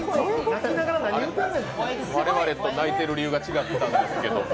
我々と泣いてる理由が違ったんですけども。